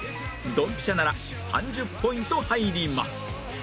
ドンピシャなら３０ポイント入ります